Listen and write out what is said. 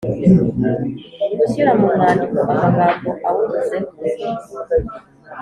Gushyira mu mwandiko amagambo awubuzemo